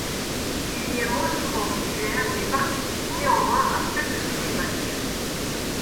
Il y est moins souvent titulaire, mais participe néanmoins à presque tous les matches.